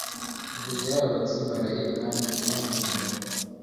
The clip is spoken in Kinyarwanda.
Ibyo byarabatsimbaraye kandi bamwenyura